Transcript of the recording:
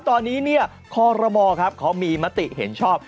ตอนนี้ข้อระม่อเขามีมติเห็นชอบ